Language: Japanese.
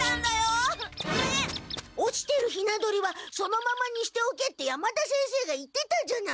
落ちてるヒナ鳥はそのままにしておけって山田先生が言ってたじゃない。